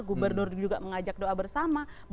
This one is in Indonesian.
gubernur juga mengajak doa bersama